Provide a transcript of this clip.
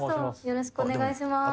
よろしくお願いします。